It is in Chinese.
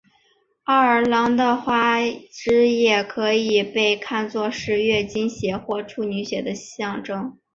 奥布朗的花汁液可以被看做是月经血或处女血的象征。